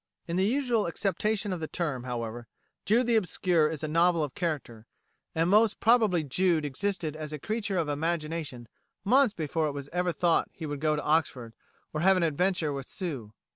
In the usual acceptation of the term, however, "Jude the Obscure" is a novel of character; and most probably Jude existed as a creature of imagination months before it was ever thought he would go to Oxford, or have an adventure with Sue.